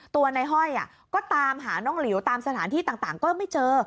ตัวในห้อยก็ตามหาน้องหลิวตามสถานที่ต่างก็ไม่เจอ